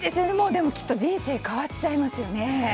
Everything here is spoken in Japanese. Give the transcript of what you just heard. でも、きっと人生変わっちゃいますよね。